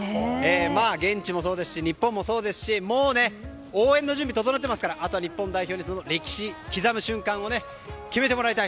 現地もそうですし日本もそうですしもう、応援の準備は整っていますからあとは日本代表に歴史を刻む瞬間を決めてもらいたい。